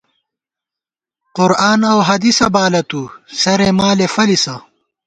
قرآن اؤ حدیثہ بالہ تُو ، سرے مالے فلِسہ